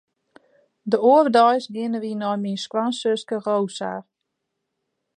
De oare deis geane wy nei myn skoansuske Rosa.